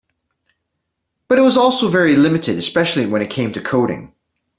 But it was also very limited, especially when it came to coding.